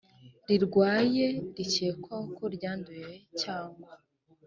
rirwaye rikekwaho ko ryanduye cyangwa